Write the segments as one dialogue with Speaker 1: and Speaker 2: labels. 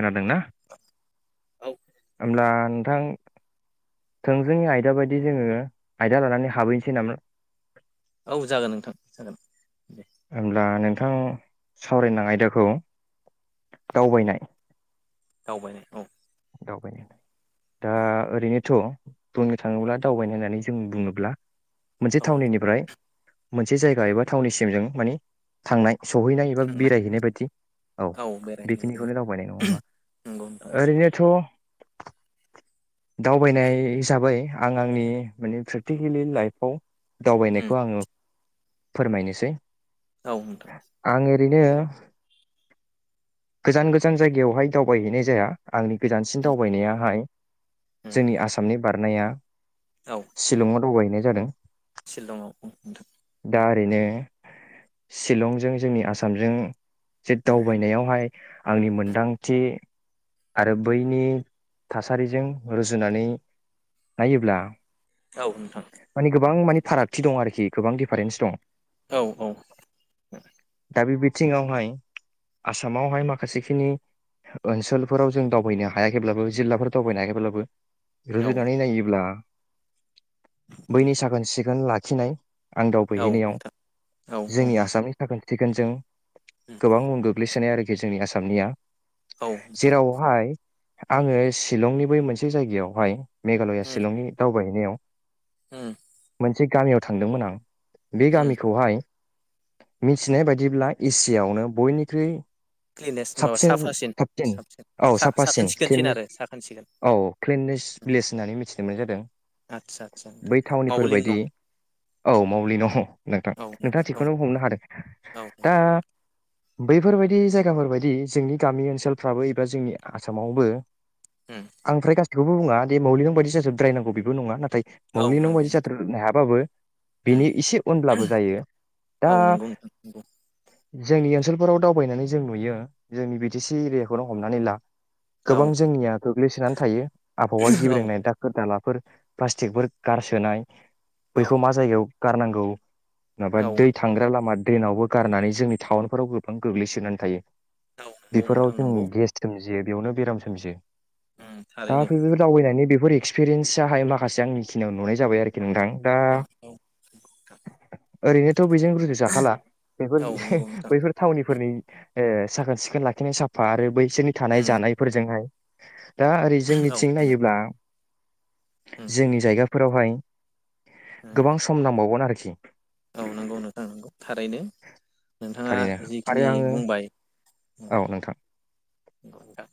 Speaker 1: खोनादोंना?
Speaker 2: औ।
Speaker 1: ओमब्ला नोंथां थोंजोङै आयदा बायदि जोङो आयदा लानानै हाबहैनोसै नामा?
Speaker 2: औ जागोन नोंथां जागोन। दे
Speaker 1: होमब्ला नों थां सावरायनां आयदाखौ दावबायनाय।
Speaker 2: दावबायनाय औ।
Speaker 1: दावबायनायानो दा ओरैनोथ' बुंनो थाङोब्ला दावबायनो होननानै जों बुङोब्ला मोनसे
Speaker 2: औ
Speaker 1: थावनिनिफ्राय मोनसे जायगा एबा थावनिसिम जों माने थांनाय। सहैनाय एबा
Speaker 2: थांनाय
Speaker 1: बेरायहैनाय बायदि औ
Speaker 2: बेरायहैनो बिदिनो
Speaker 1: बेखिनिखौनो दावबायनाय नङा होमबा
Speaker 2: नंगौ नोंथां
Speaker 1: ओरैनो थ' दावबायनाय हिसाबै आं आंनि माने प्रेक्टिकेलि लाइफआव
Speaker 2: उम
Speaker 1: दावबायनायखौ आङो फोरमायनोसै।
Speaker 2: औ नोंथां।
Speaker 1: बिदोनो गोजान गोजान जायगायावहाय दावबायहैनाय जाया। आंनि गोजानसिन
Speaker 2: उम
Speaker 1: दावबायनायाहाय।
Speaker 2: उम
Speaker 1: जोंनि आसामनि बारनाया
Speaker 2: औ
Speaker 1: शिलंआव दावबायहोयनाय। जादों
Speaker 2: शिलंआव ओ नोंथां।
Speaker 1: दा ओरैनो शलंजों जोंनि आसामजों। जेद दावबायनायावहाय आंनि मोनदांथि आरो बैनि थासारिजों रुजुनानै नायोब्ला।
Speaker 2: औ नोंथां
Speaker 1: मानि गोबां माने फारागथि दं आरोखि। गोबां दिडिफारेन्स दं।
Speaker 2: औ औ
Speaker 1: दा बे बिथिङावहाय आसामावहाय माखासेखिनि ओनसोलफोराव जों दावबायनो हायाखैब्लाबो जिल्लाफोर दावबायनो हायाखैब्लाबो।
Speaker 2: औ
Speaker 1: रुजुनानै नायोब्ला। बैनि साखोन सिखोन लाखिनाय। आं
Speaker 2: औ
Speaker 1: दावबायहैनायाव
Speaker 2: नोंथां औ उम औ
Speaker 1: जोंनि आसामनि थाखाय चिकेनजों। गोबां उन गोग्लैसोनाय आरि। जोंनि आसामनिया।
Speaker 2: नोंथां
Speaker 1: जेरावहाय। आङो शिलंनि बै मोनसे जायगायावहाय। मेघालया शिलंनि दावबाय। मेयाव।
Speaker 2: ओम।
Speaker 1: मोनसे गामियाव थांदोंमोन आं। बे गामिखौहाय। मिथिनाय बाददिब्ला एसि आवनो बयनिख्रुइ
Speaker 2: क्लिनेस माबा साफासिन
Speaker 1: साबसिन
Speaker 2: साबसिन
Speaker 1: औ
Speaker 2: सा साखोन
Speaker 1: साफासिन
Speaker 2: सिखोनसिन आरो साखोन सिखोन
Speaker 1: औ क्लिनेस भलस होननानै मिथि जोंनाय जादों।
Speaker 2: आदसा आदसा नोंथां
Speaker 1: बै
Speaker 2: मावलिं
Speaker 1: थावनिफोरबायायदि
Speaker 2: नं
Speaker 1: औ मावलि नङ नोंथां
Speaker 2: औ
Speaker 1: नोंथाङा
Speaker 2: नोंथां
Speaker 1: थिखौनो हमनो हादों
Speaker 2: औ औ
Speaker 1: दा।
Speaker 2: नंगौ
Speaker 1: बैफोरबायदि जायगाफोरबायायदि जोंनि गामि ओनसोलफ्राबो एबा जोंनि आसामावबो।
Speaker 2: उम
Speaker 1: आंफ्राय गासिब। बेखौ बुाे मौलिं बायदि जाजोब्रायांग बेबो नङा नाथाय।
Speaker 2: औ
Speaker 1: मोब्लिनाव
Speaker 2: नंगौ
Speaker 1: बायदि
Speaker 2: नोंथां
Speaker 1: जाथारनो हायाबाबो
Speaker 2: उम
Speaker 1: बेनि एसे उनब्लाबो जायो दा।
Speaker 2: औ नंगौ नोंथां नंगौ
Speaker 1: जोंनि ओनसोलफोराव दावबायनानै जों नुयो जोंनि बि टि सि एरियाखौनो हमनानै ला।
Speaker 2: औ
Speaker 1: गोबां जोंनिया गोग्लैसोनानै थायो आबहावा
Speaker 2: औ
Speaker 1: गिब्रिंनाय दाखोर दालाब। फोर प्लास्टिकफोर। गारसोनाय। बैखौ मा जायगायाव। गारनांगौ। माबा
Speaker 2: औ
Speaker 1: दै थांग्रा लामा। डे्नावबो गारनानै जोंनि टाउनफोराव गोबां गोग्लैसोनानै थायो।
Speaker 2: औ नंगौ
Speaker 1: बिफोराव
Speaker 2: नोंथां
Speaker 1: जों
Speaker 2: नंगौ
Speaker 1: गेस ज। जिये बेयावनो बेराम सोमजियो।
Speaker 2: उम
Speaker 1: दा
Speaker 2: थारैनो
Speaker 1: बेबो दावबायनानै बे। फोर एक्सपिरियेनसाहाय माखासे आंनि। खिनियाव नुनाय जाबाय आरोखि नोंथां। दा
Speaker 2: औ औ
Speaker 1: ओरैनोथ बैजों रुजुजाखाला बेफोर
Speaker 2: औ नंगौ नोंथां
Speaker 1: बैफोर थावनिफोरनि। ए साखोन सिखोन लाखिनाय साफा आरो बै बिसोरनि थानाय
Speaker 2: उम
Speaker 1: जानायफोरजोंहाय [inaudible] दा ओरै
Speaker 2: औ
Speaker 1: जोंनिथिं
Speaker 2: उम
Speaker 1: नायोब्ला जोंनि बिगाफोरावहाय
Speaker 2: उम
Speaker 1: गोबां सम नांबावगोन आरोखि। [inaudible]
Speaker 2: औ नोंगौ नोंथां नोंगौ। थारैनो नोंथाङा
Speaker 1: थारैनो आरो
Speaker 2: जिखिनि
Speaker 1: आङो
Speaker 2: बुंबाय
Speaker 1: औ नोंथां
Speaker 2: नोंगौ नोंथां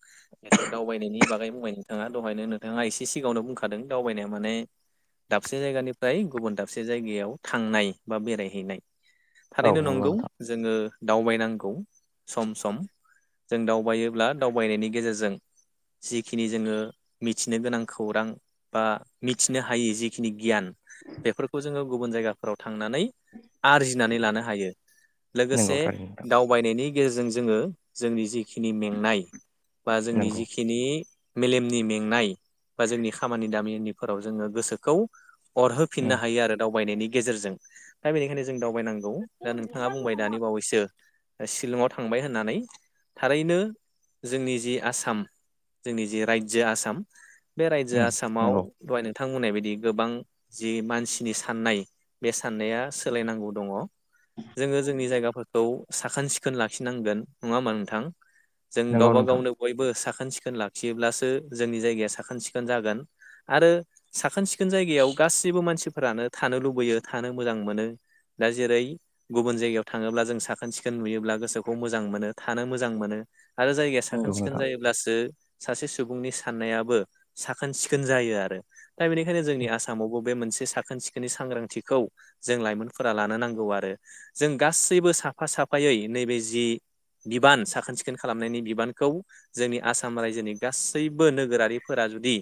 Speaker 2: जिहेतु दावबायनायनि बागै बुंबाय नोंथाङा दहायनो नोंथाङा एसे सिगाङावनो बुंखादों दावबायनाया माने दाबसे जायगानिफ्राय गुबुन दाबसे जायगायाव थांनाय बा बेरायहैनाय।
Speaker 1: औ
Speaker 2: थारैनो नंगौ
Speaker 1: नोंथां
Speaker 2: जोङो दावबायनांगौ सम सम जों दावबायो ब्ला दावबायनायनि गेजेरजों जिखिनि जोङो मिथिनो गोनां खौरां बा मिथिनो हायि जिखिनि गियान बेफोरखौ जोङो गुबुन जायगाफोराव थांनानै आरजिनानै लानो हायो
Speaker 1: नंगौ
Speaker 2: लोगोसे
Speaker 1: थारैनो नोंथां
Speaker 2: दावबायनायनि गेजेरजों जोङो जोंनि जिखिनि में नाय बा जोंनि
Speaker 1: नंगौ
Speaker 2: जिखिनि मेलेमनि मेंनाय बा जोंनि खामानि दामिनिफोराव जोङो गोसोखौ
Speaker 1: उम
Speaker 2: अरहोफिननो हायो आरो दावबायनायनि गेजेरजों दा बेनिखायनो जों दाव बायनांगौ दा नोंथाङा बुंबाय दानि बावैसो शिलंआव थांबाय होननानै थारैनो जोंनि जि आसाम जोंनि जि राज्यो आसाम बे
Speaker 1: उम
Speaker 2: रायजोआ आसामाव
Speaker 1: नंगौ
Speaker 2: दहाय नोंथां थां बुंनाय बायदि गोबां जि मानसिनि साननाय बे साननाया सोलायनांगौ दङ जोङो जोंनि जायगाफोरखौ साखोन-सिखोन लाखिनांगोन नङा होमबा नोंथां? जों
Speaker 1: नंगौ
Speaker 2: गावबा
Speaker 1: नोंथां
Speaker 2: गावनो बयबो साख खोन-सिखोन लाखियोब्लासो जोंनि जायगाया साखोन-सिखोन जागोन आरो साखोन-सिखोन जायगायाव गासिबो मानसिफोरानो थानो लुबैयो थानो मोजां मोनो दा जेरै गुबुन जायगायाव थाङोब्ला जों साखोन-सिखोन नुयोब्ला गोसोखौ मोजां मोनो थानो मोजां मोनो आरो जायगाया
Speaker 1: नंगौ
Speaker 2: साखोन-सिखोन
Speaker 1: नोंथां
Speaker 2: जायोब्लासो सासे सुबुंनि साननायाबो साखोन-सिखोन जायो आरो दा बेनिखायनो जोंनि आसामावबो बे मोनसे साखोन-सिखोननि सांग्रांथिखौ जों लाइमोनफोरा लानो नांगौ आरो जों गासैबो साफा साफायै नैबे जि बिबान साखोन-सिखोन खालामनायनि बिबानखौ जोंनि आसाम रायजोनि गासैबो नोगोरारिफोरा जुदि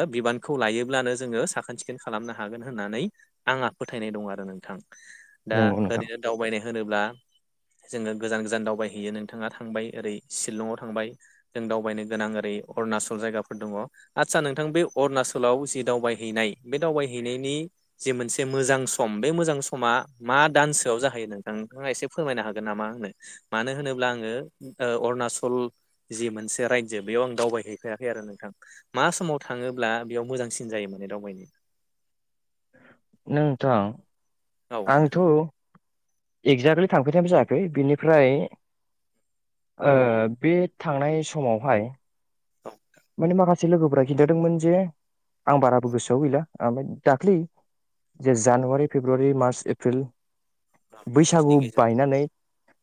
Speaker 2: ओ बिबानखौ लायोब्लानो जोङो साखोन-सिखोन खालामनो हागोन होननानै आंहा फोथायनाय दं आरो नोंथां। दा
Speaker 1: नंगौ नोंथां
Speaker 2: ओरैनो दावबायनाय होनोब्ला जोङो गोजान गोजान दावबायहैयो नोंथाङा थांबाय ओरै शिलंआव थांबाय जों दावबायनो गोनां ओरै अरुणाचल जायगाफोर दङ। आदसा नोंथां बे अरुणाचलाव जि दावबायहैनाय बे दावबायहैनायनि जि मोनसे मोजां सम बे मोजां समा मा दानसोआव जाहैयो नोंथां नोंथाङा एसे फोरमायनो हागोन नामा आंनो मानो होनोब्ला आङो ओ अरुणाचल जि मोनसे रायजो बेयाव आं दावबायहैफायाखै आरो नोंथां। मा समाव थाङोब्ला बेयाव मोजांसिन जायो माने दावबायनो?
Speaker 1: नोंथां
Speaker 2: औ नोंथां
Speaker 1: आंथ' एगजेक्टलि थांफेरनायबो जायाखै बेनिफ्राय ओ बे थांनाय समावहाय
Speaker 2: [inaudible]
Speaker 1: माने माखासे लोगोफ्रा खिन्थादोंमोन जे आं बाराबो गोसोआव गैला ओमफ्राय दाख्लै जे जानुवारि, फेब्रुवारि, मार्च, एप्रिल
Speaker 2: औ बेखिनि
Speaker 1: बैसागु
Speaker 2: गेजेराव
Speaker 1: बायनानै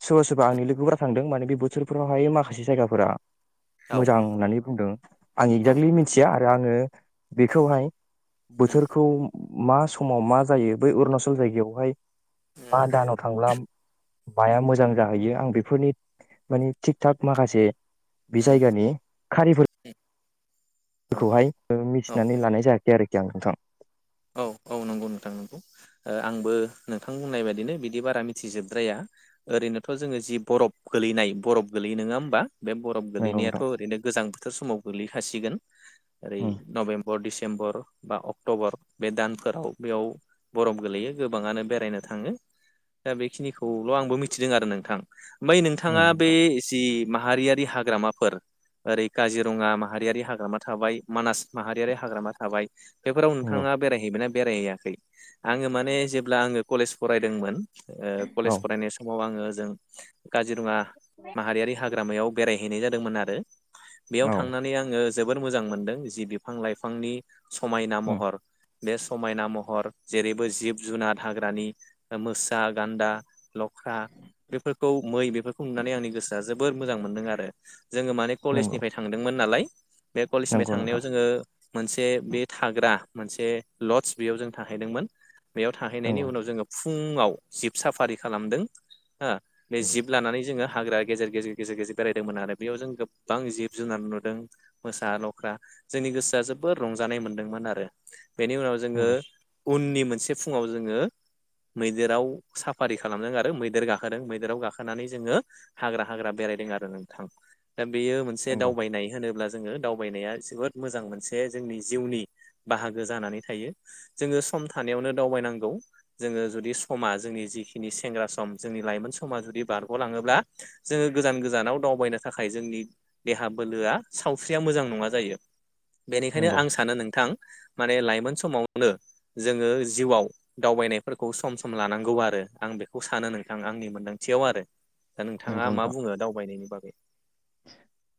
Speaker 1: सोरबा सोबा आंनि लोगोफोरा थांदों माने बे बोथोरफोरावहायो माखासे जायगाफोरा।
Speaker 2: औ
Speaker 1: मोजां होननानै बुंदों। आं
Speaker 2: औ
Speaker 1: एक्जेक्टलि मिथिया आरो। दा आङो बेखौहाय
Speaker 2: उम
Speaker 1: बोथोरखौ मा समाव मा जायो बै अरुणाचल जायगायावहाय
Speaker 2: उम
Speaker 1: मा दानाव थांब्ला बाया मोजां जाहैयो आं बेफोरनि माने थिग थाग माखासे बि
Speaker 2: उम
Speaker 1: जायगानि खारिफोर
Speaker 2: उम औ
Speaker 1: बिखौहाय ओ
Speaker 2: औ
Speaker 1: मिथिनानै लानाय जायाखै आरो [unintelligible] थां
Speaker 2: औ औ नंगौ नोंथां नंगौ आंबो नोंथां बुंनाय बायदिनो बिदि बारा मिथिजोबद्राया ओरैनोथ' जोङो जि बरफ गोलैनाय बरफ गोलैयो नोङा होमबा बे बरफ
Speaker 1: नंगौ
Speaker 2: गोलैनायाथ'
Speaker 1: नोंथां
Speaker 2: ओरैनो गोजां बो थ समाव गोलैखासिगोन ओरै
Speaker 1: उम
Speaker 2: नभेम्बर डिसेम्बर बा अक्ट'बर बे दानफोराव बेयाव बरफ गोलैयो गोबाङानो बेरायनो थाङो दा बेखिनिखौल' आंबो मिथिदों आरो नोंथां बै नोंथाङा
Speaker 1: नंगौ
Speaker 2: बे
Speaker 1: नोंथां
Speaker 2: जि माहारियारि बि हाग्रामाफोर ओरै काजिरङा माहारियारि हाग्रामा थाबाय मानास माहारियारि हाग्रामा थाबाय बेफोराव नों
Speaker 1: नंगौ
Speaker 2: थांआ बेरायहैबायना बेरायहैया है आङो माने जेब्ला आङो कलेज फ फरायदोंमोन ओ
Speaker 1: औ
Speaker 2: कलेज फरायनाय समाव आङो ओजों काजिरङा माहारियारि हाग्रामायाव बेरायहैनाय जादोंमोन आरो ओ बेयाव
Speaker 1: औ
Speaker 2: थांनानै आङो जोबोर मोजां मोनदों जि बिफां लाइफांनि समायना
Speaker 1: उम
Speaker 2: महर बे समायना महर जेरैबो जिब जुनार हाग्रानि मोसा गान्दा लख्रा बेफोरखौ मै बेफोरखौ नुनानै आंनि गोसोआ जोबोर मोजां मोनदों आरो जोङो माने
Speaker 1: नंगौ
Speaker 2: कलेजनिफ्राय थांदोंमोन नालाय बे कलेजनिफ्राय
Speaker 1: नंगौ
Speaker 2: थांनायाव
Speaker 1: नोंथां
Speaker 2: जोङो मोनसे बे थाग्रा मोनसे लडस बेयाव जों थाहैदोंमोन बेयाव थाहैनायनि
Speaker 1: नंगौ
Speaker 2: उनाव जोङो फुङाव जिब साफारि खालामदों हो बे
Speaker 1: नंगौ
Speaker 2: जिब लानानै जोङो हाग्रा गेजेर गेजेर गेजेर गेजेर बेरायदोंमोन आरो बेयाव जों गोबां जिब जुनार नुदों मोसा लख्रा जोंनि गोसोआ जोबोद रंजानाय मोनदोंमोन आरो बेनि उनाव जोङो
Speaker 1: नंगौ
Speaker 2: उननि मोनसे फुङाव जोङो मैदेराव साफारि खालामदों आरो मैदेर गाखोदों मैदेराव गाखोनानै जोङो हाग्रा हाग्रा बेरायदों आरो नोंथां दा बेयो मोनसे
Speaker 1: नंगौ
Speaker 2: दावबायनाय होनोब्ला जोङो दावबायनाया जोबोद मोजां मोनसे जोंनि जिउनि बाहागो जानानै थायो जोङो सम थानायावनो दावबायनांगौ जोङो जुदि समा जोंनि जिखिनि सेंग्रा सम जोंनि लाइमोन समा जुदि बारग'लाङोब्ला जोङो गोजान गोजानाव दावबायनो थाखाय जोंनि देहा बोलोआ सावस्रिया मोजां नङा जायो बेनिखायनो आं सानो नोंथां माने लाइमोन समावनो जोङो जिउआव दावबायनायफोरखौ सम सम लानांगौ आरो आं बेखौ सानो नोंथां आंनि मोनदांथियाव आरो दा नोंथाङा
Speaker 1: नंगौ
Speaker 2: मा
Speaker 1: नोंथां
Speaker 2: बुङो दावबायनायनि बाग [inaudible]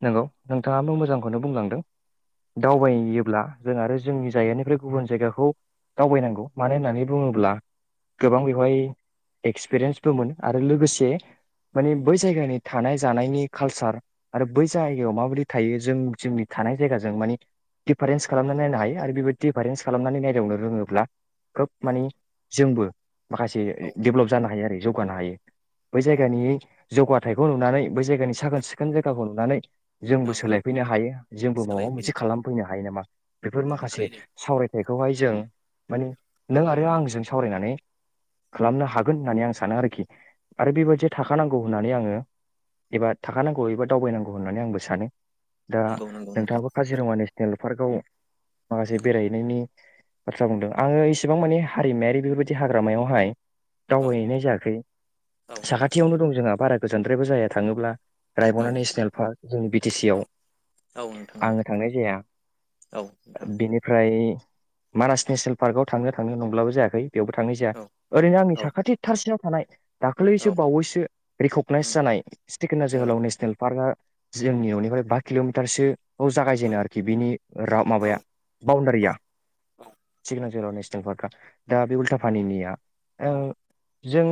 Speaker 1: नंगौ नोंथाङाबो मोजांखौनो बुंलांदों दावबायोब्ला जों आरो जोंनि जायगानिफ्राय गुबुन जायगाखौ दावबायनांगौ मानो होननानै बुङोब्ला गोबां बेवहाय एक्सपिरियेन्सबो मोनो आरो लोगोसे माने बै जायगानि थानाय जानायनि कालचार आरो बै जायगायाव माबादि थायो जों जोंनि थानाय जायगाजों माने डिफारेन्स खालामनानै नायनो हायो आरो बेबाय डिफारेन्स खालामनानै नायदावनो रोङोब्ला खोब मानि जोंबो माखासे ए दडेभलप जानो हायो आरो जौगानो हायो बै
Speaker 2: औ
Speaker 1: जायगानि जौगाथायखौ नुनानै बै जायगानि साखोन सिख खोनन जायगाखौ नुनानै जोंबो
Speaker 2: औ
Speaker 1: सोलायफैनो हायो जोंबो माबा
Speaker 2: सोलायफिनो
Speaker 1: मोनसे खालामफैनो हायो नामा बेफोर माखासे
Speaker 2: थारैनो
Speaker 1: सावरायथायखौहाय जों माने नों आरो आंजों सावरायनानै खालामनो हागोन होननानै आं सानो आरोखि आरो बेबायादिया थाखानांगौ होननानै आङो एबा थाख खानांगौ एबा दावबायनांगौ होननानै आंबो सानो। दा
Speaker 2: नंगौ नंगौ नोंथां
Speaker 1: नोंथाङाबो काजिरङा नेसनेल पार्कआव माखासे बेरायहैनायनि बाथ्रा बुंदों आङो इसेबां माने हारिमायारि बेफोरबायदि हाग्रामायावहाय
Speaker 2: औ
Speaker 1: दावबायहैनाय जायाखै
Speaker 2: औ नोंथां
Speaker 1: साखाथियावनो दं जोंहा बारा गोजानद्रायबो जाया थाङोब्ला
Speaker 2: औ
Speaker 1: रायमना नेसनेल पार्क जोंनि बि टि सि आव
Speaker 2: औ औ नोंथां औ
Speaker 1: आङो थांनाय जाया
Speaker 2: औ नोंथां
Speaker 1: बिनिफ्राय मानास नेसनेल पार्कआव थांनो थांनो नंब्लाबो जायाखै। बेयावबो थांनाय जाया
Speaker 2: औ
Speaker 1: ओरैनो आंनि
Speaker 2: औ
Speaker 1: साखाथि थारसिनाव थानाय दाख्लैसो
Speaker 2: औ
Speaker 1: बावैसो रेकगनाइस जानाय स्टेकोना नेसनेल पार्कआ जोंनि न'निफ्राय बा किल'मिटारसो बाव जागायजेनो आरोखि बिनि रा
Speaker 2: औ
Speaker 1: माबाया बाउण्डारिया। सिक्ना जोहोलाव नेसनेल पार्कआ दा बे उल्था पानिनिया ओ जों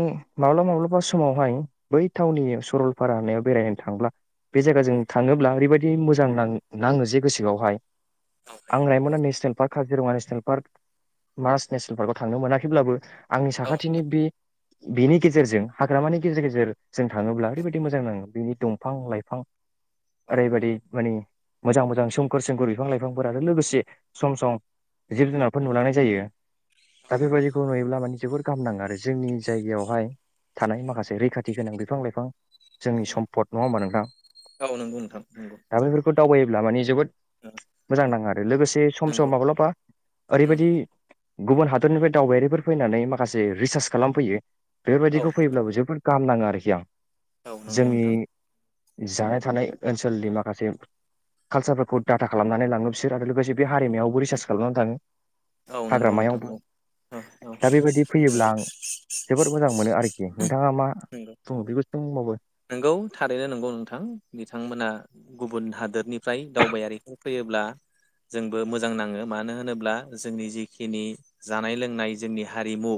Speaker 1: माब्लाबा माब्लाबा समावहाय बै टाउननि सरलपारा होनायाव बेरायनो थांब्ला बे जायगा जों थाङोब्ला ओरैबायदि मोजां नां नाङो जे गोसोआवहाय आं रायमना
Speaker 2: औ
Speaker 1: national park, Kaziranga national park, Manas national पार्कआव थांनो मोनाखैब्लाबो आंनि
Speaker 2: औ
Speaker 1: साखाथिनि बे बेनि गेजेरजों हाग्रामानि गेजेर गेजेरजों थाङोब्ला ओरैबायदि मोजां नांङो। बिनि दंफां लाइफां ओरैबायाददि माने मोजां मोजां सोमखोर सोमखोर बिफां लाइफांफोर आरो लोगोसे सम सम जिब जुनारफोर नुलांनाय जायो। दा बेबायदिखौ नुयोब्ला माने जोबोर गाहाम नाङो आरो जोंनि जायगायावहाय थानाय माखासे रैखाथि गोनां बिफां लाइफां जोंनि सम पद नङा होमबा नोंथां?
Speaker 2: औ नंगौ नोंथां नंगौ
Speaker 1: दा
Speaker 2: नोंथां।
Speaker 1: बेफोरखौ दावबायोब्ला माने जोबोद मोजां नाङो आरो लोगोसे सम सम
Speaker 2: नंगौ
Speaker 1: माब्लाबा ओरैबायदि
Speaker 2: औ
Speaker 1: गुबुन हादरनिफ्राय दावबायारिफोर फैनानै माखासे रिसार्च खालामफैयो बेफोरबायदिखौ फैयोब्लाबो जोबोद गाहाम नांङो आरोखि आं।
Speaker 2: औ नंगौ
Speaker 1: जोंनि
Speaker 2: नोंथां
Speaker 1: जानाय थानाय ओनसोलनि माखासे कालसारफोरखौ डाटा खालामनानै लाङो बिसोर आरो लोगोसे बे हारिमायावबो रिसार्च खालामनानै थाङो।
Speaker 2: औ नंगौ नोंथां
Speaker 1: हाग्रामायावबो
Speaker 2: औ औ
Speaker 1: दा बेबायदि फैयोब्ला
Speaker 2: नंगौ उम्म
Speaker 1: आं जोबोद मोजां मोनो आरोखि नोंथाङा मा
Speaker 2: नंगौ।
Speaker 1: बुङो बेखौ दंबावो
Speaker 2: नंगौ थारैनो नंगौ नोंथां बिथांमोना गुबुन हादोरनिफ्राय दावबायारिखौ फैयोब्ला जोंबो मोजां नाङो, मानो होनोब्ला जोंनि जिखिनि जानाय लोंनाय जोंनि हारिमु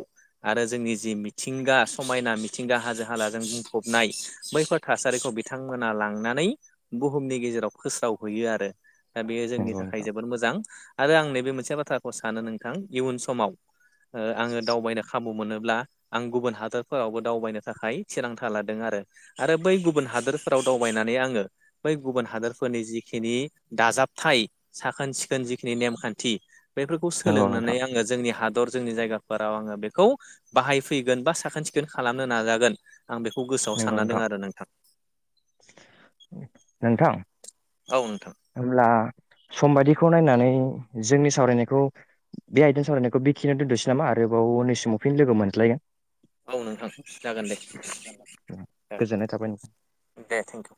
Speaker 2: आरो जोंनि जि मिथिंगा समायना मिथिंगा हाजो हालाजों बुंफबनाय बैफोर थासारिखौ बिथांमोना लांनानै बुहुमनि गेजेराव फोस्रावहैयो आरो। दा बेयो जोंनि
Speaker 1: नंगौ
Speaker 2: थाखाय
Speaker 1: नोंथां
Speaker 2: जोबोद मोजां। आरो आं नैबे मोनसे बाथ्राखौ सानो नोंथां इयुन समाव ओ आंङो दावबायनो खाब मोनोब्ला आं गुबुन हादरफोरावबो दावबायनो थाखाय थिरांथा लादों आरो। आरो बै गुबुन हादोरफोराव दावबायनानै आंङो बै गुबुन हादोरफोरनि जिखिनि दाजाबथाय साखोन सिखोन जिखिनि नेमखान्थि बेफोरखौ
Speaker 1: नंगौ
Speaker 2: सोलोंनानै
Speaker 1: नोंथां
Speaker 2: आंङो जोंनि हा दर जोंनि जायगाफोराव आंङो बेखौ बाहाय फैगोन बा साखोन सिखोन खालामनो नाजागोन आं बेखौ गोसोआव सानना दं आरो नोंथां।
Speaker 1: नोंथां
Speaker 2: औ नोंथां
Speaker 1: अब्ला सम बायदिखौ नायनानै जोंनि सावरायनायखौ बे आयदानि सावरायनायखौ बेखिनियाव दोन्थनोसै नामा, आरोबाव उननि समाव फिन लोगो मोनज्लायगोन।
Speaker 2: औ नोंथां जागोन दे
Speaker 1: गोजोननाय थाबाय नों
Speaker 2: ओं दे थेंकिउ।